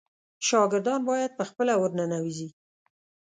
شاګردان باید په خپله ورننوزي.